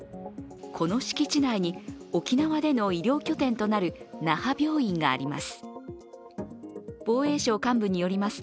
この敷地内に沖縄での医療拠点となる那覇病院があります。